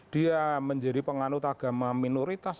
dia menjadi penganut agama minoritas